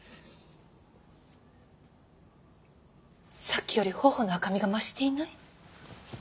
さっきより頬の赤みが増していない？